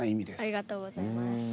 ありがとうございます。